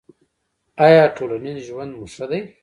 ایا ټولنیز ژوند مو ښه دی؟